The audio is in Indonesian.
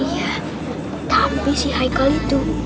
iya tapi si haikal itu jago banget